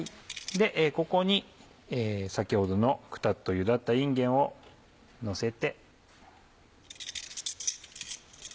ここに先ほどのくたっとゆだったいんげんをのせて。